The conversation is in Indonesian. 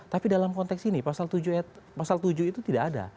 tapi dalam konteks ini pasal tujuh ad pasal tujuh itu tidak ada